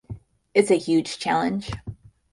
It's a huge challenge.